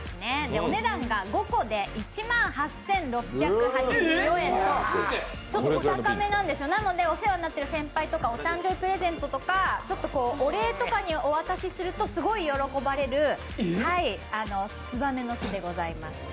お値段が５個で１万８６８４円と、ちょっとお高めなんですよなのでお世話になっている先輩とかお誕生日プレゼントとかお礼とかにお渡しするとすごい喜ばれるつばめの巣でございます。